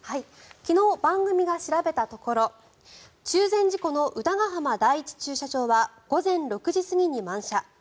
昨日、番組が調べたところ中禅寺湖の歌ヶ浜駐車場は午前６時過ぎに満車。